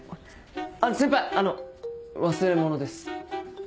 先輩あの忘れ物です。